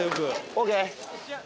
ＯＫ。